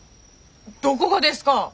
どこがですか！